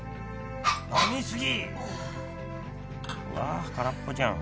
うわ空っぽじゃん